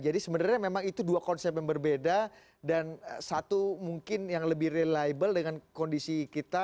jadi sebenarnya memang itu dua konsep yang berbeda dan satu mungkin yang lebih reliable dengan kondisi kita